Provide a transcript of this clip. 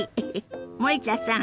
森田さん